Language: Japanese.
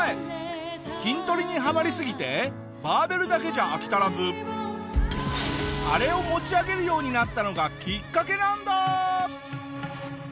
筋トレにハマりすぎてバーベルだけじゃ飽き足らずあれを持ち上げるようになったのがきっかけなんだ！